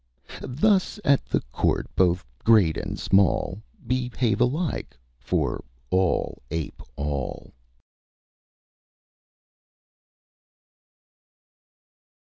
Thus, at the court, both great and small Behave alike, for all ape all.